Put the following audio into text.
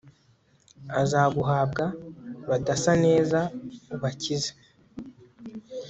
abazaguhabwa badasa neza, ubakize